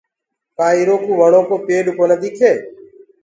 ڪدآ اِرو ڪوُ وڻو ڪو پيڏ ڪونآ ديِکي؟